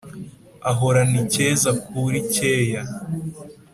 ahorana icyeza akura i cyeya